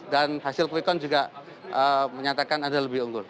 hasil quick count juga menyatakan anda lebih unggul